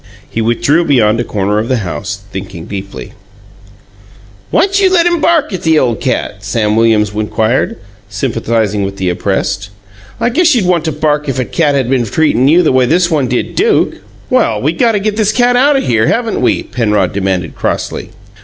He withdrew beyond a corner of the house, thinking deeply. "Why'n't you let him bark at the ole cat?" Sam Williams inquired, sympathizing with the oppressed. "I guess you'd want to bark if a cat had been treatin' you the way this one did Duke." "Well, we got to get this cat out o' here, haven't we?" Penrod demanded crossly.